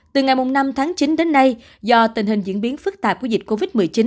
từ ngày năm tháng chín đến nay do tình hình diễn biến phức tạp của dịch covid một mươi chín